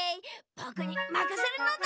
ぼくにまかせるのだ。